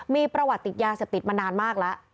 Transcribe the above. มีประวัติติดยาเสพติดมานานมากแล้ว